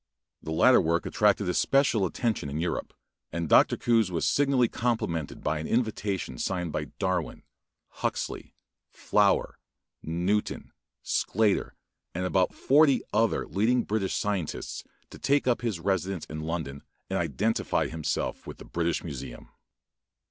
The latter work attracted especial attention in Europe, and Dr. Coues was signally complimented by an invitation, signed by Darwin, Huxley, Flower, Newton, Sclater, and about forty other leading British scientists to take up his residence in London and identify himself with the British Museum.